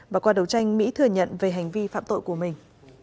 và qua đầu tranh mỹ thừa nhận về hành vi phạm tội của mình